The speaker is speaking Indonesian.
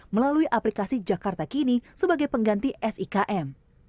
melalui aplikasi jakarta kini sebagai pengganti sikm